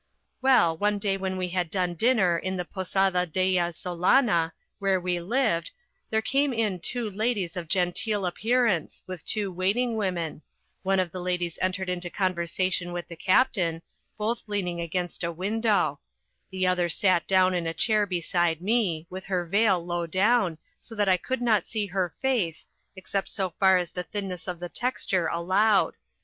Well, one day when we had done dinner in the Posada della Solana, where we lived, there came in two ladies of genteel appearance, with two waiting women: one of the ladies entered into conversation with the Captain, both leaning against a window; the other sat down in a chair beside me, with her veil low down, so that I could not see her face, except so far as the thinness of the texture allowed.